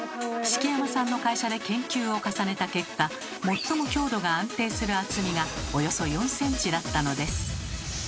敷山さんの会社で研究を重ねた結果最も強度が安定する厚みがおよそ４ｃｍだったのです。